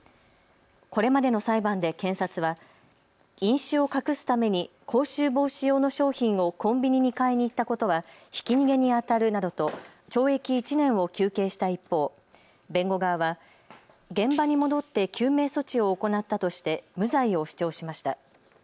これまでの裁判で検察は飲酒を隠すために口臭防止用の商品をコンビニに買いに行ったことはひき逃げにあたるなどと懲役１年を求刑した一方、弁護側は現場に戻って救命措置を行ったとして無罪を主張しました。